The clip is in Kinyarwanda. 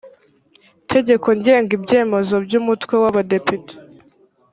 tegeko ngenga ibyemezo by umutwe w abadepite